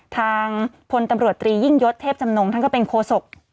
ทางพลตำรวจตรียิ่งยศเทพจำนงท่านก็เป็นโคศก